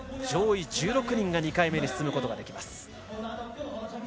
上位１６人が２回目に進むことができます。